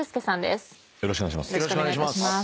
よろしくお願いします。